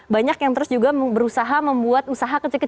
banyak yang terus juga berusaha membuat usaha kecil